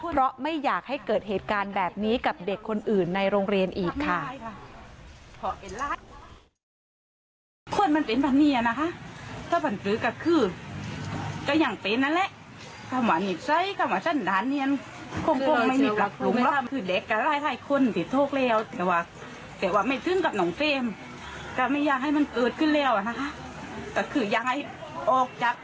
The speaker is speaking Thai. เพราะไม่อยากให้เกิดเหตุการณ์แบบนี้กับเด็กคนอื่นในโรงเรียนอีกค่ะ